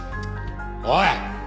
おい！